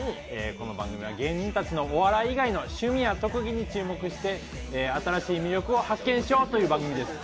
この番組は芸人たちのお笑い以外の趣味や特技に注目して、新しい魅力を発見しようという番組です。